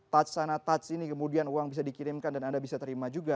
touch sana touch ini kemudian uang bisa dikirimkan dan anda bisa terima juga